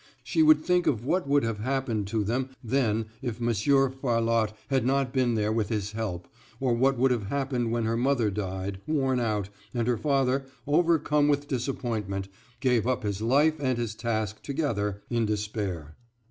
She would think of what would have happened to them then if Monsieur Farlotte had not been there with his help, or what would have happened when her mother died, worn out, and her father, overcome with disappointment, gave up his life and his task together, in despair.